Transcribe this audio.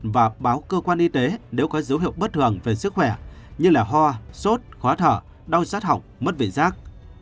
và báo cơ quan y tế nếu có dấu hiệu bất thường về sức khỏe như hoa sốt khóa thở đau sát học mất vị giác